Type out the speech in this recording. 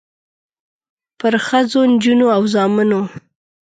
پرښخو، نجونو او زامنو